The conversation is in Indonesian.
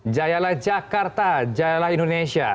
jayalah jakarta jayalah indonesia